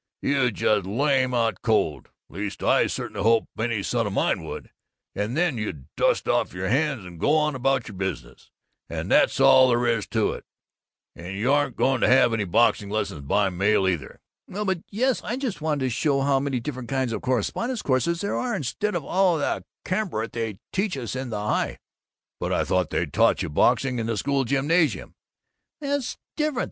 You'd just lay him out cold (at least I certainly hope any son of mine would!) and then you'd dust off your hands and go on about your business, and that's all there is to it, and you aren't going to have any boxing lessons by mail, either!" "Well but Yes I just wanted to show how many different kinds of correspondence courses there are, instead of all the camembert they teach us in the High." "But I thought they taught boxing in the school gymnasium." "That's different.